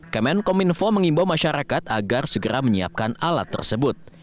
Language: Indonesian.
kemenkominfo mengimbau masyarakat agar segera menyiapkan alat tersebut